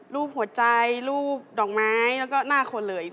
รูปหัวใจรูปดอกไม้แล้วก็หน้าคนเลย